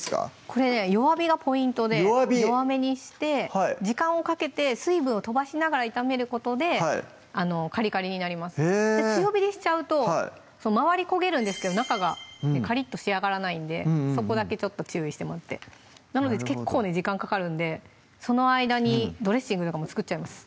これね弱火がポイントで弱めにして時間をかけて水分を飛ばしながら炒めることでカリカリになります強火でしちゃうと周り焦げるんですけど中がカリッと仕上がらないんでそこだけちょっと注意してもらってなので結構時間かかるんでその間にドレッシングとかも作っちゃいます